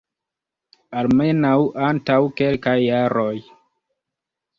Almenaŭ antaŭ kelkaj jaroj!